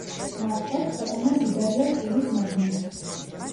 მართლაც, ქვეყანა მდიდარია რკინის მადნით.